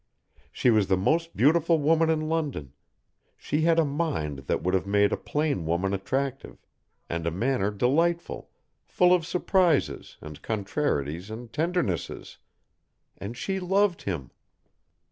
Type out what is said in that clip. She was the most beautiful woman in London, she had a mind that would have made a plain woman attractive, and a manner delightful, full of surprises and contrarieties and tendernesses and she loved him.